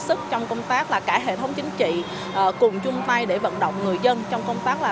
sức trong công tác là cả hệ thống chính trị cùng chung tay để vận động người dân trong công tác là